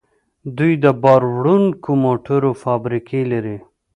دوی د بار وړونکو موټرو فابریکې لري.